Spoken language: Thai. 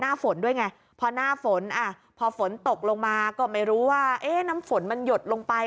หน้าฝนด้วยไงพอหน้าฝนพอฝนตกลงมาก็ไม่รู้ว่าน้ำฝนมันหยดลงไป